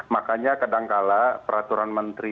makanya kadangkala peraturan menteri